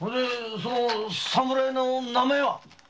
その侍の名前は？